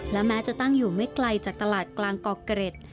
และแม้จะตั้งอยู่ไม่ไกลจากตลาดกลางกอกเกร็ด